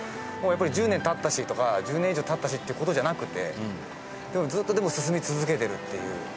１０年経ったしとか、１０年以上経ったしっていう事じゃなくてずっとでも、進み続けてるっていう。